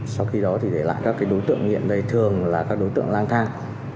sau khi đó thì để lại các đối tượng nghiện đây thường là các đối tượng lang thang